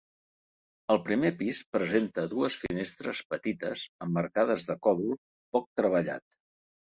El primer pis presenta dues finestres petites emmarcades de còdol poc treballat.